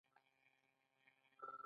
هغه له عیني اخلاقي اهمیت څخه برخمن دی.